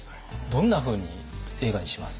どんなふうに映画にします？